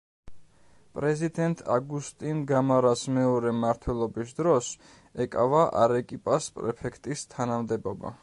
პრეზიდენტ აგუსტინ გამარას მეორე მმართველობის დროს ეკავა არეკიპას პრეფექტის თანამდებობა.